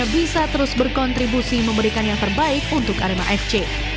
bisa terus berkontribusi memberikan yang terbaik untuk arema fc